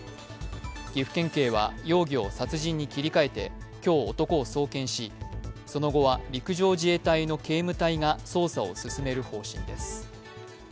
岐阜県警は容疑を殺人に切り替えて今日男を送検し、その後は陸上自衛隊の警務隊が捜査を進める方針です。